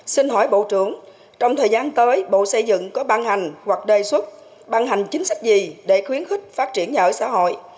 xin hỏi bộ trưởng trong thời gian tới bộ xây dựng có ban hành hoặc đề xuất ban hành chính sách gì để khuyến khích phát triển nhà ở xã hội